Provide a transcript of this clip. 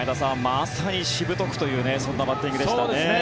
まさにしぶとくというそんなバッティングでしたね。